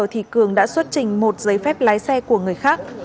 thì cường đã xuất trình một giấy phép lái xe của người khác